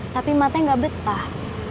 tapi matanya gak betah